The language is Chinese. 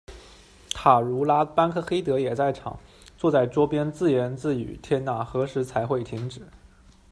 塔卢拉·班克黑德也在场，坐在桌旁自言自语：“天哪，何时才会停止？